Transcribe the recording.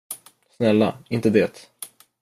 Snälla, inte det.